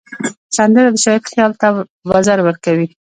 سندره د شاعر خیال ته وزر ورکوي